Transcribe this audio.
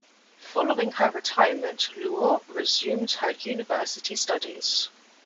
Following her retirement, Luo resumed her university studies.